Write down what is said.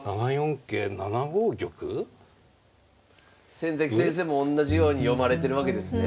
先崎先生もおんなじように読まれてるわけですね？